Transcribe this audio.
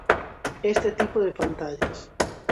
Este tipo de pantallas.